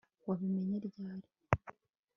wabimenye ryari